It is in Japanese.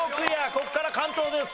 ここから関東です。